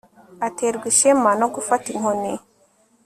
aterwa ishema no gufata inkoni